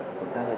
khởi tố rồi ạ